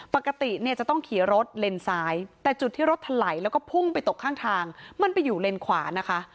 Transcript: ปกติเนี่ยจะต้องขี่รถเลนซ้ายแต่จุดที่รถถลายแล้วก็พุ่งไปตกข้างทางมันไปอยู่เลนขวานะคะ